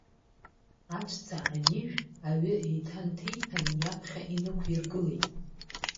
Аҵәца анижә, аҩы еиҭанҭеиҭәан, иаԥхьа инықәиргылеит.